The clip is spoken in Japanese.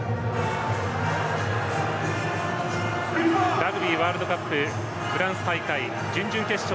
ラグビーワールドカップフランス大会準々決勝